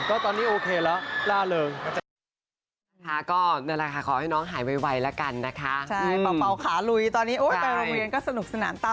ก็ตอนนี้โอเคแล้วล่าเริง